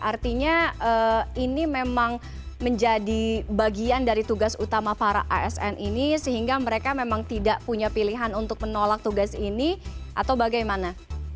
artinya ini memang menjadi bagian dari tugas utama para asn ini sehingga mereka memang tidak punya pilihan untuk menolak tugas ini atau bagaimana